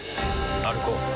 歩こう。